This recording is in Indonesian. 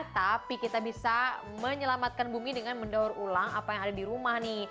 tapi kita bisa menyelamatkan bumi dengan mendaur ulang apa yang ada di rumah nih